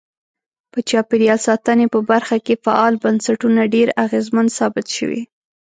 په چاپیریال ساتنې په برخه کې فعال بنسټونه ډیر اغیزمن ثابت شوي.